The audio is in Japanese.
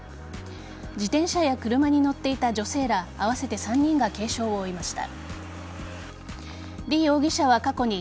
自転車や車に乗っていた女性ら合わせて３人が軽傷を負いました。